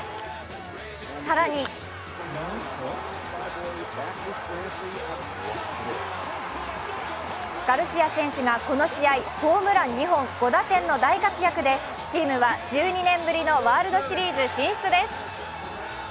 更にガルシア選手が、この試合ホームラン２本５打点の大活躍でチームは１２年ぶりのワールドシリーズ進出です。